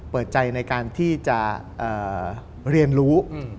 เปิดใจในการที่จะเรียนรู้